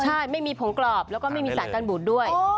ใช่ไม่มีผงกรอบแล้วก็ไม่มีสารการบูดด้วย